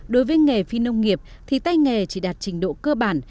đối với nghề phi nông nghiệp thì tay nghề chỉ đạt trình độ cơ bản